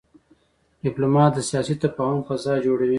ډيپلومات د سیاسي تفاهم فضا جوړوي.